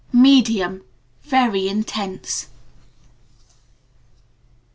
Medium. Very Intense.)